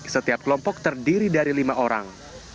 setiap kelompok terdiri dari lima orang